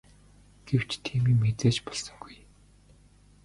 Гэвч тийм юм хэзээ ч болсонгүй.